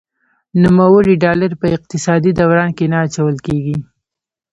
نوموړي ډالر په اقتصادي دوران کې نه اچول کیږي.